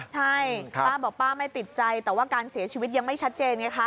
ใช่ป้าบอกป้าไม่ติดใจแต่ว่าการเสียชีวิตยังไม่ชัดเจนไงคะ